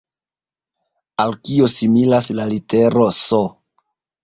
Al kio similas la litero S?